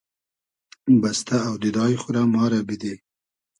بئستۂ اۆدیدای خو رۂ ما رۂ بیدی